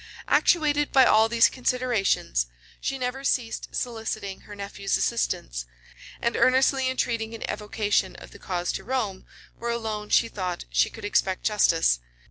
Actuated by all these considerations, she never ceased soliciting her nephew's assistance, and earnestly entreating an evocation of the cause to Rome, where alone, she thought, she could expect justice.